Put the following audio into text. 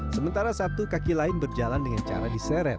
sementara satu kaki lain berjalan dengan cara diseret